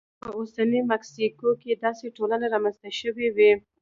په اوسنۍ مکسیکو کې داسې ټولنې رامنځته شوې وې